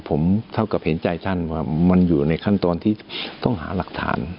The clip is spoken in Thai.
ผมเท่ากับเห็นใจท่านว่ามันอยู่ในขั้นตอนที่ต้องหาหลักฐาน